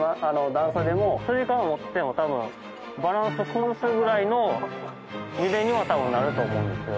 段差でもつり革持ってても多分バランス崩すぐらいの揺れには多分なると思うんですよ。